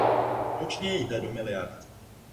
Ročně jde do miliard.